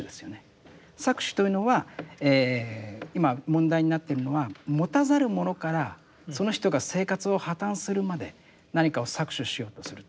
搾取というのは今問題になってるのは持たざる者からその人が生活を破綻するまで何かを搾取しようとするということですよね。